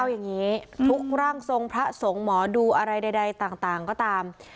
อย่างนี้ทุกร่างทรงพระสงฆ์หมอดูอะไรใดต่างก็ตาม